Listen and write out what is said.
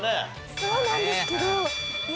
そうなんですけどいや。